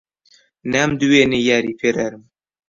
نامدوێنێ یاری پێرارم